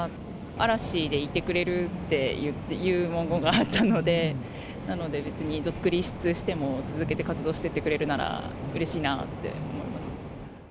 嵐でいてくれるっていう文言があったので、なので別に、独立しても、続けて活動していってくれるなら、うれしいなって思います。